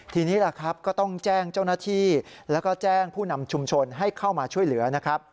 ทีนี้ล่ะครับก็ต้องแจ้งเจ้าหน้าที่แล้วก็แจ้งผู้นำชุมชนให้เข้ามาช่วยเหลือนะครับ